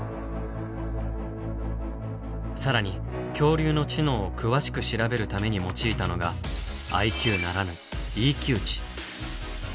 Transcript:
更に恐竜の知能を詳しく調べるために用いたのがＩＱならぬＥＱ値。